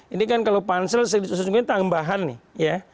ini kan kalau pansel sesungguhnya tambahan nih ya